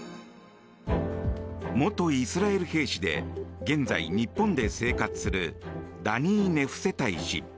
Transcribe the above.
元イスラエル兵士で現在、日本で生活するダニー・ネフセタイ氏。